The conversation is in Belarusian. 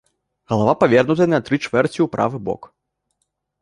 Галава павернутая на тры чвэрці ў правы бок.